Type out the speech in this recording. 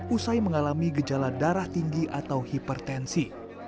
usai mengalami gejala darah tinggi atau hipertensi